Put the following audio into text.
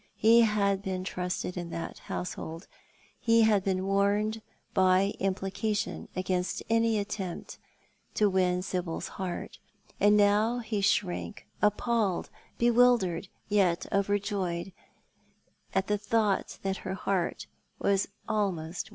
He had been trusted in that household — he had been warned by implication against any attempt to win Sibyl's heart: and now he shrank appalled, bewildered, yet overjoyed, at the thought that her heart was almost won.